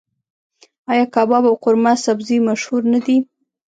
آیا کباب او قورمه سبزي مشهور نه دي؟